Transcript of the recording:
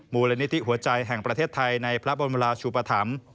มูลนิธิหัวใจแห่งประเทศไทยในพระบรมราชุปธรรม